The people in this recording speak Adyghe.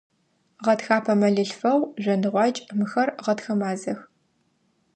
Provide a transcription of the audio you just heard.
Гъэтхапэ, мэлылъфэгъу, жъоныгъуакӀ – мыхэр гъэтхэ мазэх.